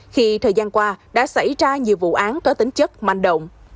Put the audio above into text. khi thời gian qua đã xảy ra nhiều vụ án có tính chất manh động